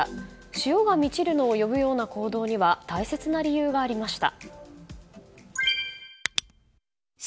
潮が満ちるのを呼ぶような行動には大切な理由がありました。